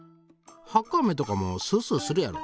ハッカあめとかもスースーするやろ？